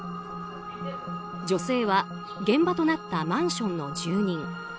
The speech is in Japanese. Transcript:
女性は現場となったマンションの住人。